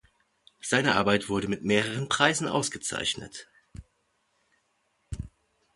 Seine Arbeit wurde mit mehreren Preisen ausgezeichnet.